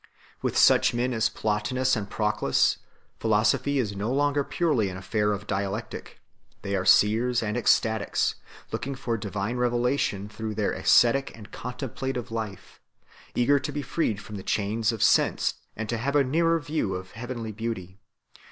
With such men as Plotinus and Proclus, philosophy is no longer purely an affair of dialectic; they are seers and ecstatics, looking for divine revelation through their ascetic and contemplative life, eager to be freed from the chains of sense and to have a nearer view of heavenly beauty.